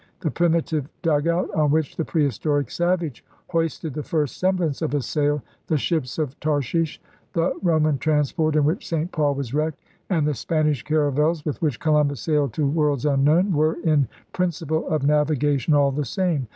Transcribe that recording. The primitive dugout on which the prehistoric savage hoisted the first semblance of a sail, the ships of Tarshish, the Roman transport in which St. Paul was wrecked, and the Spanish caravels with which Columbus sailed to worlds unknown, were, in principle of navigation, all the same.